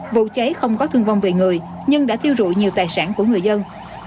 vụ cháy không có thương vong về người nhưng đã thiêu rụi nhiều tài sản của người dân